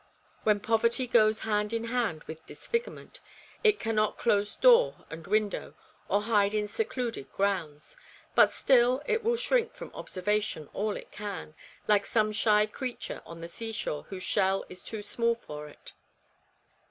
When poverty goes hand in hand with disfigurement, it can not close door and window, or hide in secluded grounds ; but, still, it will shrink from obser vation all it can, like some shy creature on the seashore whose shell is too small for it.